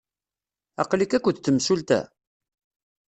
Aql-ik akked temsulta?